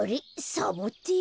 サボテン？